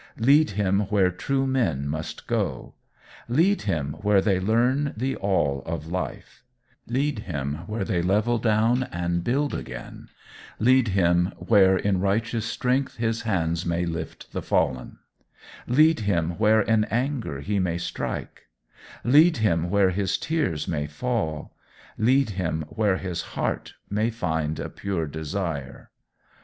Lead him where true men must go: lead him where they learn the all of life; lead him where they level down and build again; lead him where in righteous strength his hands may lift the fallen; lead him where in anger he may strike; lead him where his tears may fall; lead him where his heart may find a pure desire.